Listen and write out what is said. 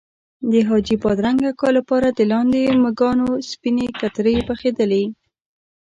د حاجي بادرنګ اکا لپاره د لاندې مږانو سپینې کترې پخېدلې.